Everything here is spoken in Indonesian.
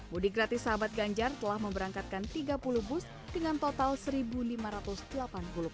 mudik gratis sahabat ganjar telah memberangkatkan tiga puluh bus dengan total satu lima ratus delapan puluh penumpang